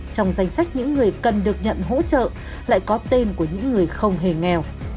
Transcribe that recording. trong danh sách những người cần được nhận hỗ trợ lại có tên của những người không hề nghèo